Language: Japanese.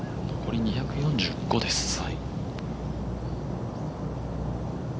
残り２４５です。